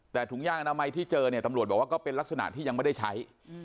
แต่ถุงยางอนามัยที่เจอเนี่ยตำรวจบอกว่าก็เป็นลักษณะที่ยังไม่ได้ใช้